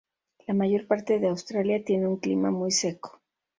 La mayor parte de Australia tiene un clima muy seco.